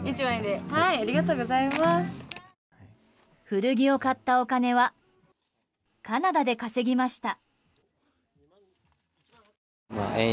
古着を買ったお金はカナダで稼ぎました。